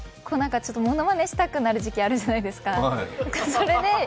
ものまねしたくなる時期があるじゃないですか。